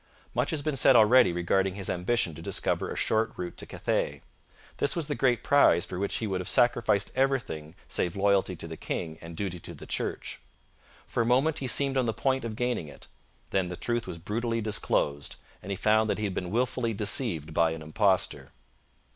Much has been said already regarding his ambition to discover a short route to Cathay. This was the great prize for which he would have sacrificed everything save loyalty to the king and duty to the church. For a moment he seemed on the point of gaining it. Then the truth was brutally disclosed, and he found that he had been wilfully deceived by an impostor.